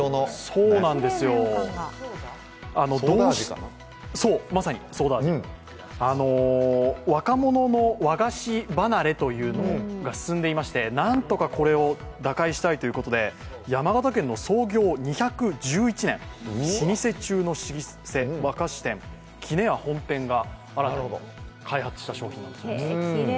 ソーダ味、若者の和菓子離れというのが進んでいまして、何とかこれを打開したいということで、山形県の創業２１１年、老舗中の老舗、和菓子店、きねや本店が開発した商品なんです。